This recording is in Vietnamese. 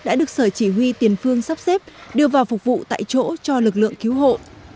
các sở chỉ huy tiền phương sắp xếp đưa vào phục vụ tại chỗ cho lực lượng cứu hộ